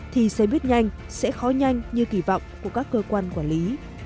thì xe buýt nhanh sẽ khó nhanh như kỳ vọng của các cơ quan quản lý